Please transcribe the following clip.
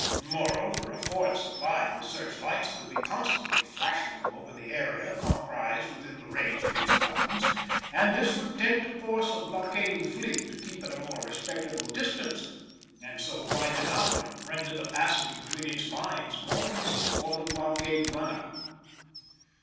Moreover, a fort supplied with search lights could be constantly flashing them over the area comprised within the range of its guns, and this would tend to force a blockading fleet to keep at a more respectable distance and so widen out and render the passage between its lines more easy for the blockade runner.